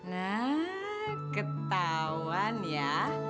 nah ketauan ya